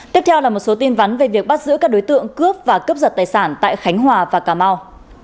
tiếp theo là một số tin vắn về việc bắt giữ các đối tượng cướp và cướp giật tài sản tại khánh hòa và cà mau